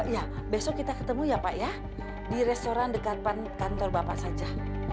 ya besok kita ketemu ya pak ya di restoran dekat kantor bapak saja